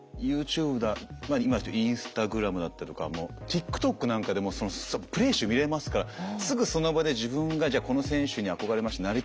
ユーチューブだインスタグラムだったりとかティックトックなんかでもプレー集見れますからすぐその場で自分がこの選手に憧れました。